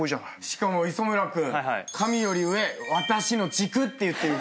しかも磯村君「神より上私の軸」って言ってる。